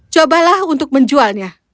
cobalah untuk menjualnya